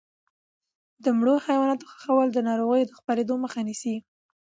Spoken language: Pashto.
د مړو حیواناتو ښخول د ناروغیو د خپرېدو مخه نیسي.